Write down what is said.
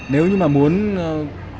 nếu như mà muốn quản lý